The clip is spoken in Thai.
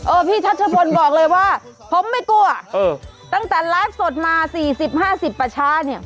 เออพี่ชัชบนบอกเลยว่าผมไม่กลัวตั้งแต่ไลฟ์สดมา๔๐๕๐ประชาเนี่ย